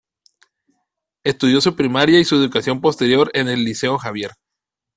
Estudió su primaria y su educación posterior en el Liceo Javier.